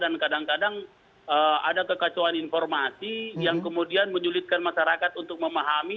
dan kadang kadang ada kekacauan informasi yang kemudian menyulitkan masyarakat untuk memahami